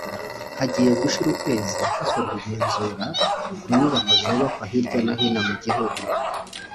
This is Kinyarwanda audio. Hagiye gushira ukwezi hakorwa igenzura ku nyubako zubakwa hirya no hino mu gihugu